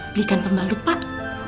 belikan pembalut pak